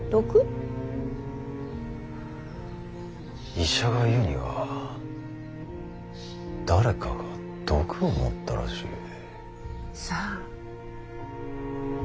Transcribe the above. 医者が言うには誰かが毒を盛ったらしい。さあ。